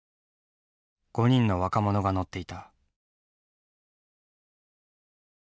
５人の若者が乗っていた。